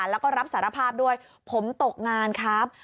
แล้วก็รับสารภาพด้วยผมตกงานครับ